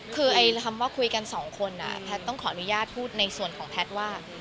คือคำว่าคุยกันสองคนแพทย์ต้องขออนุญาตพูดในส่วนของแพทย์ว่า